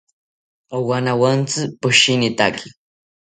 Owanawontzi poshinitaki